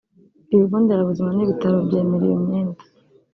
Ibigo nderabuzima n’ibitaro byemera iyo myenda